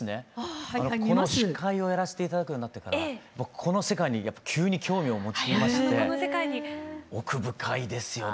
この司会をやらせて頂くようになってから僕この世界にやっぱ急に興味を持ち始めまして奥深いですよね。